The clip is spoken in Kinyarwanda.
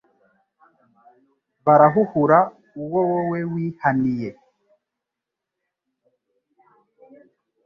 Barahuhura uwo wowe wihaniye